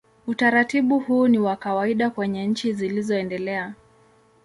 Utaratibu huu ni wa kawaida kwenye nchi zilizoendelea.